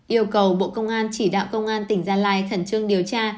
yêu cầu bộ công an chỉ đạo công an tỉnh gia lai khẩn trương điều tra